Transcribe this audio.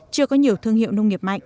chưa có nhiều thương hiệu nông nghiệp mạnh